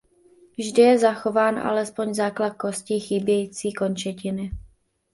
Vždy je zachován alespoň základ kostí chybějící končetiny.